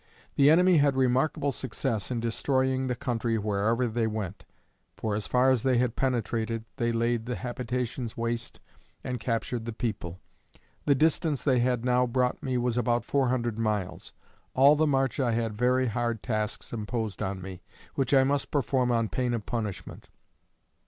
The enemy had remarkable success in destroying the country wherever they went. For as far as they had penetrated, they laid the habitations waste and captured the people. The distance they had now brought me was about four hundred miles. All the march I had very hard tasks imposed on me, which I must perform on pain of punishment.